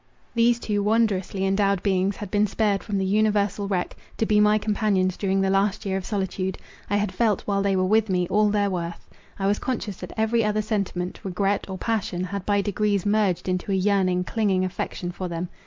These two wondrously endowed beings had been spared from the universal wreck, to be my companions during the last year of solitude. I had felt, while they were with me, all their worth. I was conscious that every other sentiment, regret, or passion had by degrees merged into a yearning, clinging affection for them.